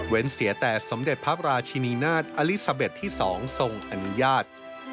เสียแต่สมเด็จพระราชินีนาฏอลิซาเบ็ดที่๒ทรงอนุญาต